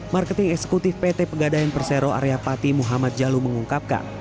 marketing eksekutif pt pegadaian persero area pati muhammad jalu mengungkapkan